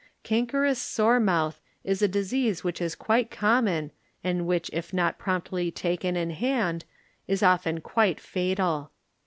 Cankerous Sore Mouth is a disease which is quite common and which if not promptly taken in hand is often quite fatal.